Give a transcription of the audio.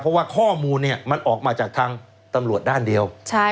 เพราะว่าข้อมูลมันออกมาจากทางตำรวจด้านเดียว